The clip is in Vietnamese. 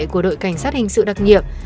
của đội cảnh sát hình sự đặc nghiệp